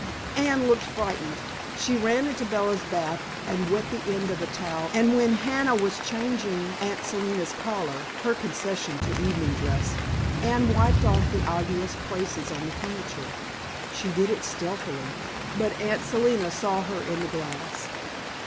Anne looked frightened. She ran into Bella's bath and wet the end of a towel and when Hannah was changing Aunt Selina's collar her concession to evening dress Anne wiped off the obvious places on the furniture. She did it stealthily, but Aunt Selina saw her in the glass.